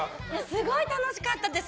すごい楽しかったです！